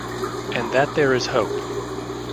And that there is hope.